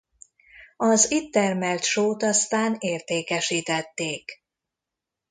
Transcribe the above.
Az itt termelt sót aztán értékesítették.